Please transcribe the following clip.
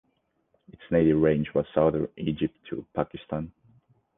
Its native range was southern Egypt to Pakistan.